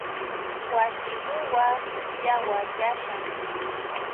Wasi ruwaq yawaryashan.